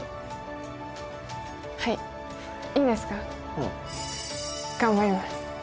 うん頑張ります